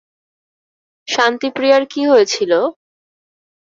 শান্তি প্রীয়ার কি হয়েছিল?